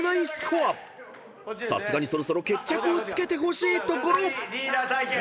［さすがにそろそろ決着をつけてほしいところ］リーダー対決。